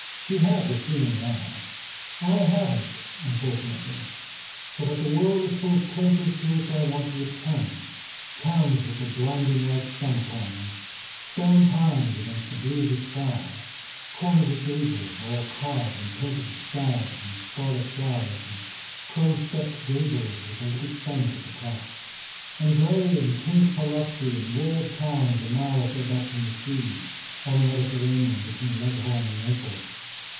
She had the seeing eye. I haven't, unfortunately, so that the world is full of places to which I want to returntowns with the blinding white sun upon them; stone pines against the blue of the sky; corners of gables, all carved and painted with stags and scarlet flowers and crowstepped gables with the little saint at the top; and grey and pink palazzi and walled towns a mile or so back from the sea, on the Mediterranean, between Leghorn and Naples.